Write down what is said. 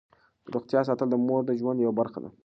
د روغتیا ساتل د مور د ژوند یوه برخه ده.